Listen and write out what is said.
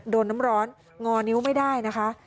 โดนน้ำร้อนงอนิ้วไม่ได้นะคะ